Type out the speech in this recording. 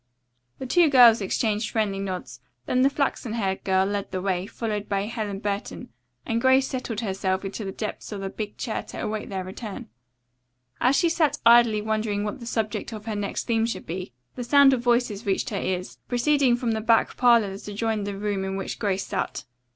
The two girls exchanged friendly nods. Then the flaxen haired girl led the way, followed by Helen Burton, and Grace settled herself in the depths of a big chair to await their return. As she sat idly wondering what the subject of her next theme should be, the sound of voices reached her ears, proceeding from the back parlor that adjoined the room in which Grace sat.